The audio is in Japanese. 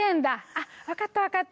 あっわかったわかった。